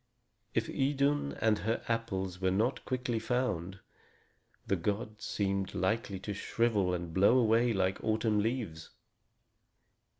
If Idun and her apples were not quickly found, the gods seemed likely to shrivel and blow away like autumn leaves.